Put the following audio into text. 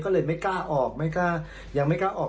ก็เลยไม่กล้าออกยังไม่กล้าออก